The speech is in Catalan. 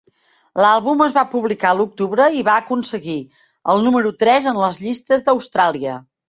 L'àlbum es va publicar a l'octubre i va aconseguir el número tres en les llistes d'Austràlia.